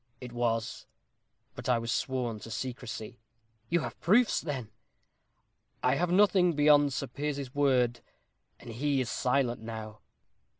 "It was. But I was sworn to secrecy." "You have proofs then?" "I have nothing beyond Sir Piers's word and he is silent now."